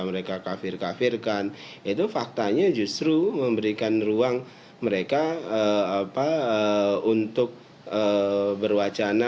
mereka kafir kafirkan itu faktanya justru memberikan ruang mereka apa untuk berwacana